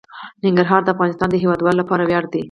ننګرهار د افغانستان د هیوادوالو لپاره ویاړ دی.